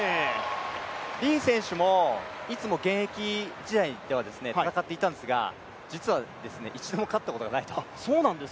李選手も、いつも現役時代は戦っていたんですが実は一度も勝ったことがないと。